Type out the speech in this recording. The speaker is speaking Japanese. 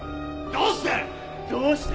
どうして！